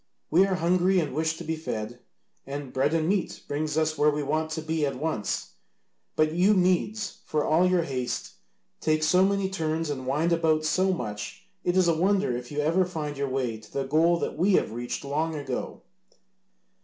We are hungry and wish to be fed, and bread and meat brings us where we want to be at once, but you Medes, for all your haste, take so many turns and wind about so much it is a wonder if you ever find your way to the goal that we have reached long ago."